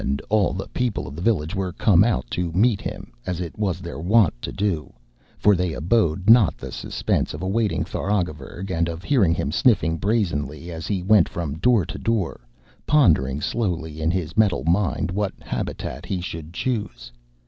And all the people of the village were come out to meet him, as it was their wont to do; for they abode not the suspense of awaiting Tharagavverug and of hearing him sniffing brazenly as he went from door to door, pondering slowly in his metal mind what habitant he should choose.